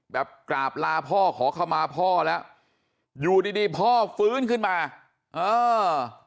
กราบลาพ่อขอเข้ามาพ่อแล้วอยู่ดีดีพ่อฟื้นขึ้นมาเออ